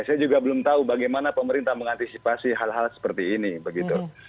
saya juga belum tahu bagaimana pemerintah mengantisipasi hal hal seperti ini begitu